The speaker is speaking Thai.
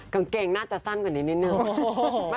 กางเกงน่าจะสั้นกว่านี้นิดนึง